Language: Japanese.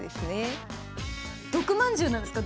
毒まんじゅうなんですか？